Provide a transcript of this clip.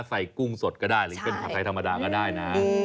กุ้งสดก็ได้หรือเป็นผัดไทยธรรมดาก็ได้นะ